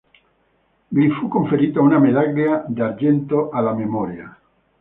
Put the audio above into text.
Gli fu conferita una medaglia d'argento alla memoria.